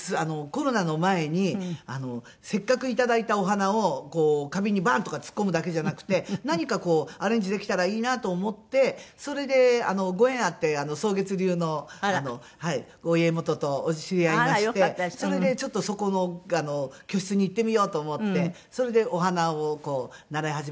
コロナの前にせっかくいただいたお花を花瓶にバン！とか突っ込むだけじゃなくて何かアレンジできたらいいなと思ってそれでご縁あって草月流のお家元と知り合いましてそれでちょっとそこの教室に行ってみようと思ってそれでお花を習い始めたんですけれども。